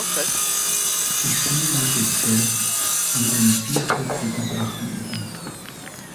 Ich fühle mich entfernt an einen vierköpfigen Drachen erinnert.